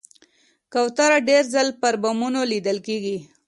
کوتره ډېر ځله پر بامونو لیدل کېږي.